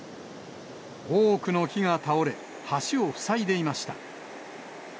多くの木が倒れ、橋を塞いでいました。